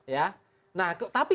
ya nah tapi